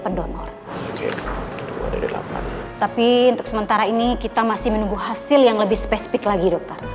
pendonor tapi untuk sementara ini kita masih menunggu hasil yang lebih spesifik lagi dokter